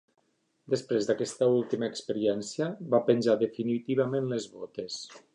Després d'aquesta última experiència, va penjar definitivament les botes.